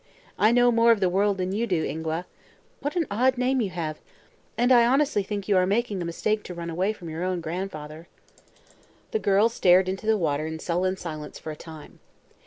I know more of the world than you do, Ingua what an odd name you have! and I honestly think you are making a mistake to run away from your own grandfather." The girl stared into the water in sullen silence for a time.